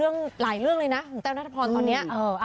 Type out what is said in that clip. หลายเรื่องเลยนะของแต้วนัทพรตอนนี้